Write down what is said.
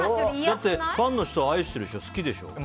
だってファンの人を愛してるでしょ、好きでしょ？